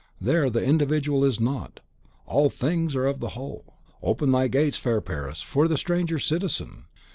There the individual is not. All things are of the whole! Open thy gates, fair Paris, for the stranger citizen!